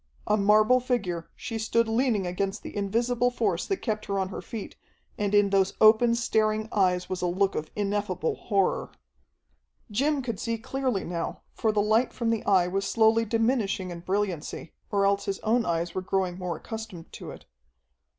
A marble figure, she stood leaning against the invisible force that kept her on her feet, and in those open, staring eyes was a look of ineffable horror. Jim could see clearly now, for the light from the Eye was slowly diminishing in brilliancy, or else his own eyes were growing more accustomed to it.